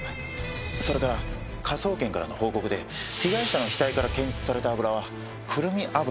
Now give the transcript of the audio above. それから科捜研からの報告で被害者の額から検出された油はくるみ油に間違いないそうです。